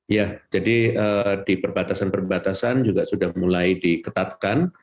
ya jadi di perbatasan perbatasan juga sudah mulai diketatkan